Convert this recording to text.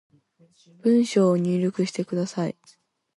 文章を入力してください